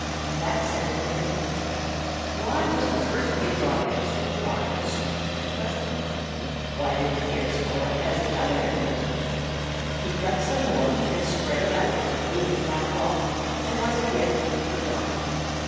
That set him to thinking. Why was the first he had brought in so dry and sweet and pleasant? Why didn't it spoil as the other had done? He cut some more and spread it out on the big flat rock and once again he forgot.